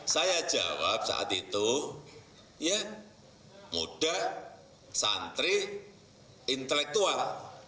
saya jawab saat itu ya muda santri intelektual